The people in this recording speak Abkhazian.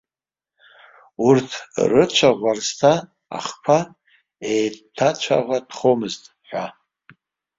Урҭ рыцәаӷәарсҭа ахқәа еиҭацәаӷәатәхомызт ҳәа.